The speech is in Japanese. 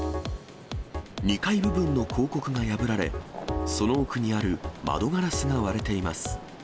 ２階部分の広告が破られ、その奥にある窓ガラスが割れています。